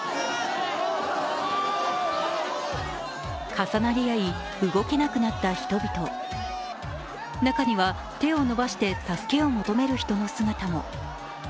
重なり合い、動けなくなった人々中には、手を伸ばして助けを求める人の姿も。